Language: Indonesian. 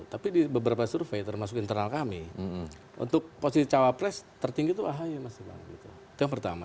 tapi di beberapa survei termasuk internal kami untuk posisi cawapres tertinggi itu ahy masih bang itu yang pertama